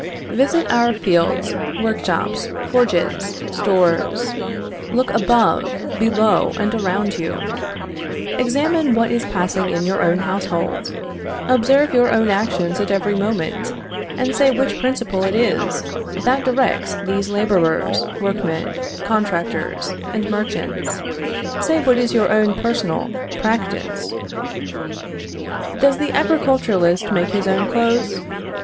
Visit our fields, workshops, forges, stores; look above, below, and around you; examine what is passing in your own household; observe your own actions at every moment, and say which principle it is, that directs these laborers, workmen, contractors, and merchants; say what is your own personal practice. Does the agriculturist make his own clothes?